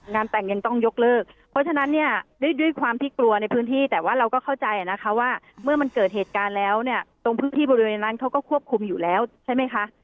แต่งยังต้องยกเลิกเพราะฉะนั้นเนี่ยด้วยความที่กลัวในพื้นที่แต่ว่าเราก็เข้าใจนะคะว่าเมื่อมันเกิดเหตุการณ์แล้วเนี่ยตรงพื้นที่บริเวณนั้นเขาก็ควบคุมอยู่แล้วใช่ไหมคะ